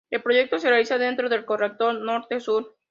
El proyecto se realiza dentro del corredor Norte-Sur.